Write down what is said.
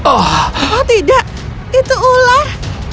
oh tidak itu ular